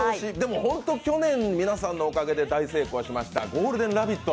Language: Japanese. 本当に去年、皆さんのおかげで大成功しました「ゴールデンラヴィット！」